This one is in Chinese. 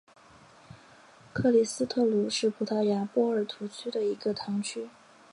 克里斯特卢是葡萄牙波尔图区的一个堂区。